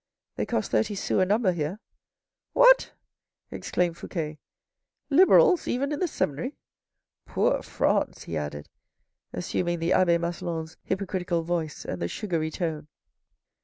"They cost thirty sous a number here." " What !" exclaimed Fouque. " Liberals even in the seminary ! Poor France," he added, assuming the abbe Maslon's hypocritical voice and sugary tone.